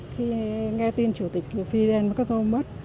khi nghe tin chủ tịch của fidel castro mất